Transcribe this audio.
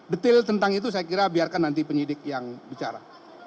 detail tentang itu saya kira biarkan nanti penyidik yang bicara